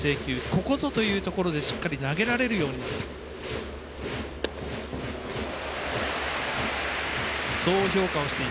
ここぞというところでしっかり投げられるようになった。